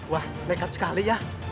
wah mekar sekali ya